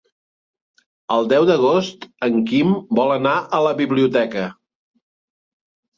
El deu d'agost en Quim vol anar a la biblioteca.